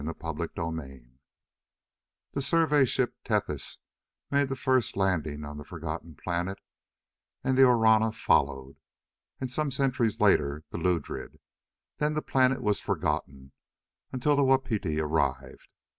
EPILOGUE The survey ship Tethys made the first landing on the forgotten planet, and the Orana followed, and some centuries later the Ludred. Then the planet was forgotten until the Wapiti arrived.